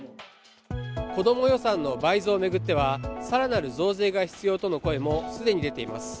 こども予算の倍増を巡っては、更なる増税が必要との声も既に出ています。